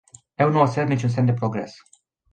Eu nu observ niciun semn de progres.